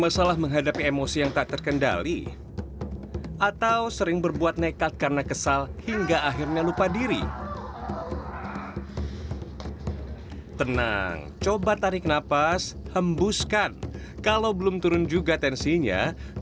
sampai jumpa di video selanjutnya